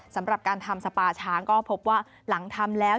สำหรับการทำสปาช้างก็พบว่าหลังทำแล้ว